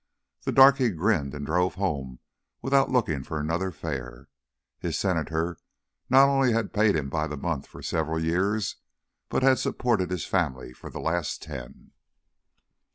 The darky grinned and drove home without looking for another fare. His Senator not only had paid him by the month for several years, but had supported his family for the last ten.